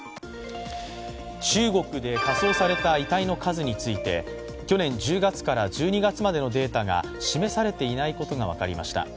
中国で火葬された遺体の数について去年１０月から１２月までのデータが示されていないことが分かりました。